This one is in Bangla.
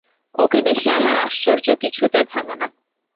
ওঁকে দেখে আমার আশ্চর্য কিছুতে ভাঙে না।